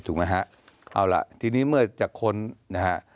ถูกไหมฮะเอาล่ะทีนี้เมื่อจะค้นนะฮะ